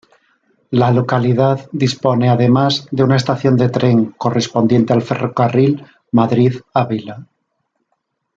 La localidad dispone, además, de una estación de tren, correspondiente al ferrocarril Madrid-Ávila.